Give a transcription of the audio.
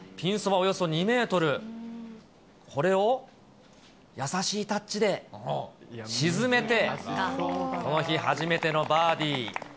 およそ２メートル、これを優しいタッチで、沈めて、この日、初めてのバーディー。